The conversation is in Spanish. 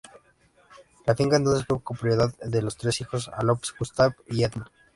La finca entonces fue copropiedad de sus tres hijos: Alphonse, Gustave y Edmond.